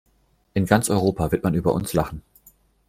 In ganz Europa wird man über uns lachen!